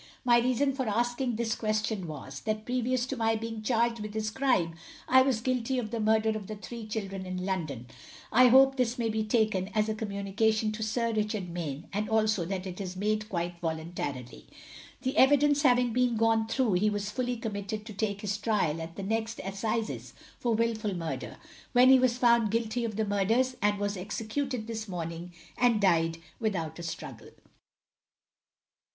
My reason for asking this question was, that previous to my being charged with this crime I was guilty of the murder of the three children in London. I hope this may be taken as a communication to Sir Richard Mayne, and also that it is made quite voluntarily. The evidence having been gone through, he was fully committed to take his trial at the next Assizes for wilful murder, when he was found guilty of the murders, and was EXECUTED THIS MORNING and died without a struggle.